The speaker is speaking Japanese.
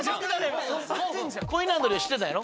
今コインランドリーは知ってたんやろ？